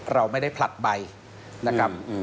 เราไม่ได้ผลัดใบนะครับ